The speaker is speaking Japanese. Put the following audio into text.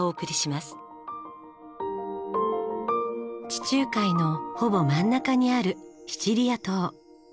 地中海のほぼ真ん中にあるシチリア島。